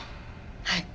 はい。